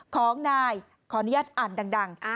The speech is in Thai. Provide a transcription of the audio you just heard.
ของนายขออนุญาตอ่านดัง